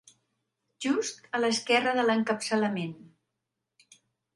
Just a l'esquerra de l'encapçalament.